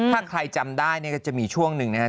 ถ้าใครจำได้เนี่ยก็จะมีช่วงหนึ่งนะครับ